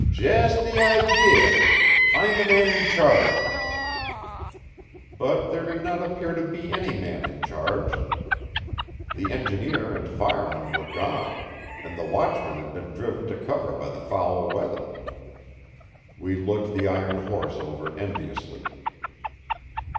"Just the idea. Find the man in charge." But there did not appear to be any man in charge. The engineer and fireman were gone, and the watchman had been driven to cover by the foul weather. We looked the iron horse over enviously.